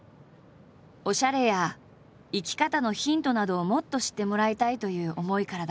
おしゃれや生き方のヒントなどをもっと知ってもらいたいという思いからだ。